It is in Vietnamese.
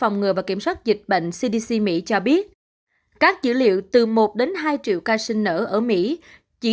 phòng ngừa và kiểm soát dịch bệnh cdc mỹ cho biết các dữ liệu từ một đến hai triệu ca sinh nở ở mỹ chỉ